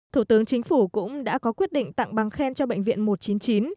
thủ tướng chính phủ cũng đã có quyết định tặng bằng khen cho bệnh viện một trăm chín mươi chín